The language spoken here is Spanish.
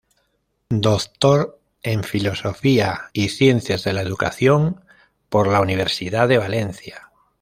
Doctor en Filosofía y Ciencias de la Educación por la Universidad de Valencia.